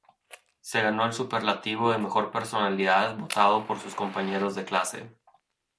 Se ganó el superlativo de "Mejor Personalidad" votado por sus compañeros de clase.